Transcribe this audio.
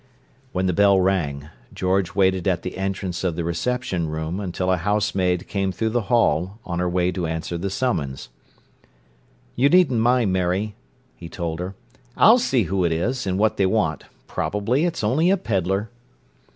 When the bell rang, George waited at the entrance of the "reception room" until a housemaid came through the hall on her way to answer the summons. "You needn't mind, Mary," he told her. "I'll see who it is and what they want. Probably it's only a pedlar."